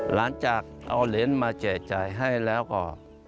หลังจากเอาเหรียญมาแจกจ่ายให้แล้วก็